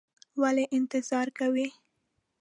ولې انتظار کوې؟